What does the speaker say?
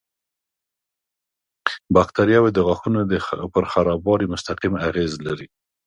باکتریاوې د غاښونو پر خرابوالي مستقیم اغېز لري.